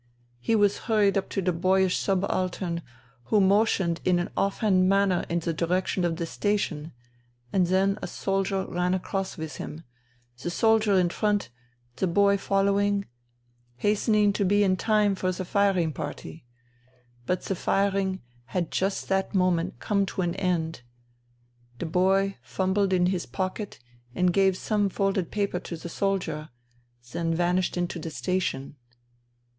He was hurried up to the boyish subaltern who motioned in an off hand manner in the direction of the station ; and then a soldier ran across with him — the soldier in front, the boy following — hastening to be in time for the firing party. But the firing had just that moment come to an end. The boy fumbled in his pocket and gave some folded paper to the soldier; then vanished into the station.